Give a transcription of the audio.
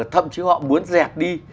thậm chí họ muốn dẹp đi